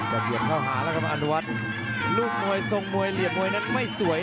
อันวัดเบียดเข้ามาอันวัดโดนชวนแรกแล้ววางแค่ขวาแล้วเสียบด้วยเขาซ้าย